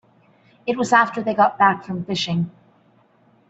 It was after they got back from fishing.